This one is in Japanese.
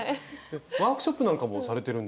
ワークショップなんかもされてるんですもんね。